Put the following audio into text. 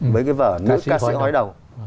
với cái vở nữ ca sĩ hói đầu